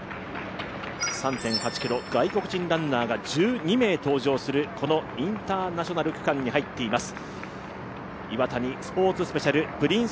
３．８ｋｍ、外国人ランナーが１２名登場するこのインターナショナル区間に入っています。